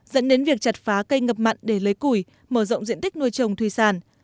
dẫn đến việc chặt phá cây ngập mặn để lấy củi mở rộng diện tích nuôi trồng thủy sản